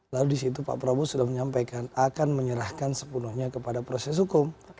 lalu di situ pak prabowo sudah menyampaikan akan menyerahkan sepenuhnya kepada proses hukum